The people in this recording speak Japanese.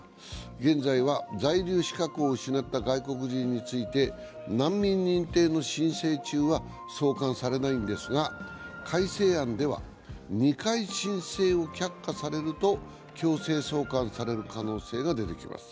現在は在留資格を失った外国人について難民認定の申請中は送還されないんですが、改正案では、２回、申請を却下されると強制送還される可能性があります。